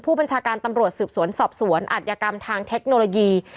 ผู้บัญชาการตำรวจสืบสวนสอบสวนอัธยกรรมทางเทคโนโลยี